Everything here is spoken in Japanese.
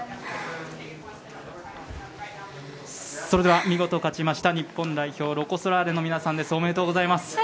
それでは、見事勝ちました日本代表ロコ・ソラーレの皆さんです。